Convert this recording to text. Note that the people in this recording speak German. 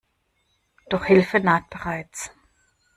Doch Hilfe naht bereits.